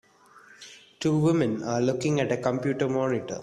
Two women are looking at a computer monitor.